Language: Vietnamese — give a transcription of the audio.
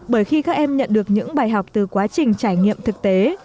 bởi khi các em nhận được những bài học từ quá trình trải nghiệm thực tế